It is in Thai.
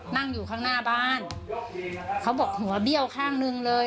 นั่งอยู่ข้างหน้าบ้านเขาบอกหัวเบี้ยวข้างหนึ่งเลย